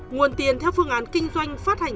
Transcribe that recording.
nguồn tiền theo phương án kinh doanh phát hành